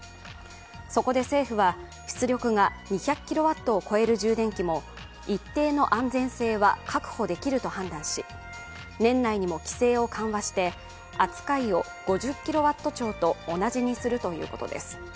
そこで政府は、出力が２００ｋＷを越える充電器も一定の安全性は確保できると判断し年内にも規制を緩和して、扱いを５０ｋＷ超と同じにするということです。